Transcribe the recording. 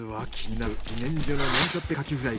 なんちゃってカキフライ？